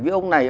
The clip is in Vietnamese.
với ông này